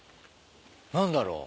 何だろう？